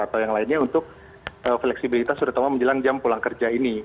atau yang lainnya untuk fleksibilitas terutama menjelang jam pulang kerja ini